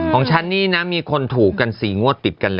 ของฉันนี่นะมีคนถูกกัน๔งวดติดกันเลย